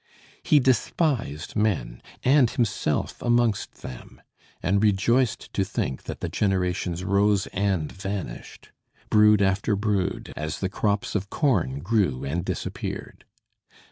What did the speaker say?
He despised men, and himself amongst them; and rejoiced to think that the generations rose and vanished, brood after brood, as the crops of corn grew and disappeared.